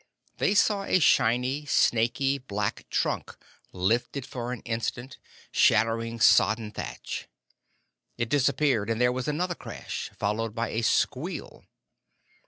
They saw a shiny, snaky black trunk lifted for an instant, scattering sodden thatch. It disappeared, and there was another crash, followed by a squeal.